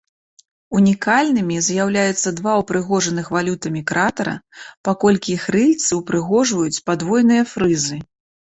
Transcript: Унікальнымі з'яўляюцца два упрыгожаных валютамі кратара, паколькі іх рыльцы ўпрыгожваюць падвойныя фрызы.